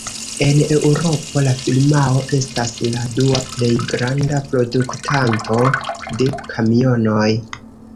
En Eŭropo la firmao estas la dua plej granda produktanto de kamionoj.